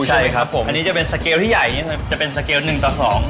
ใช่ครับอันนี้จะเป็นสเกลที่ใหญ่จะเป็นสเกล๑ต่อ๒